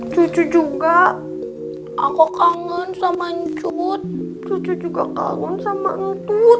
cucu juga aku kangen sama anjut juga kagum sama ngutut